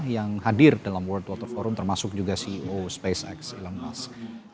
yang hadir dalam world water forum termasuk juga ceo spacex elon musk